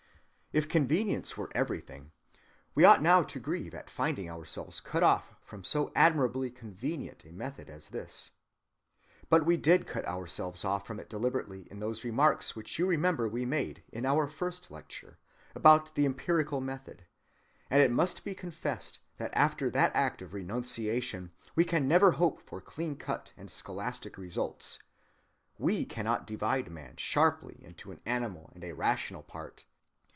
If convenience were everything, we ought now to grieve at finding ourselves cut off from so admirably convenient a method as this. But we did cut ourselves off from it deliberately in those remarks which you remember we made, in our first lecture, about the empirical method; and it must be confessed that after that act of renunciation we can never hope for clean‐cut and scholastic results. We cannot divide man sharply into an animal and a rational part.